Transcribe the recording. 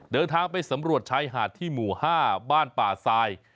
เดินทางไปสำรวจชายหาดที่หมู่๕บ้านป่าทราย